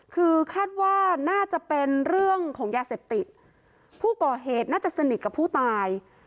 คือคาดว่าน่าจะเป็นเรื่องของยาเสพติดผู้ก่อเหตุน่าจะสนิทกับผู้ตาย